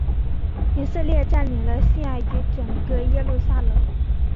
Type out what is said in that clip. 以色列占领了西岸与整个耶路撒冷。